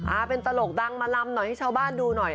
อ่าเป็นตลกดังมาลำหน่อยให้ชาวบ้านดูหน่อย